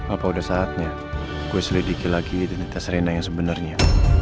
apa udah saatnya gue selidiki lagi identitas rena yang sebenarnya